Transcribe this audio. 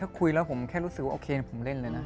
ถ้าคุยแล้วผมแค่รู้สึกว่าโอเคผมเล่นเลยนะ